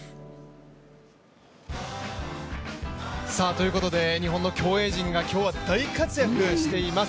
ということで、日本の競泳陣が今日は大活躍しています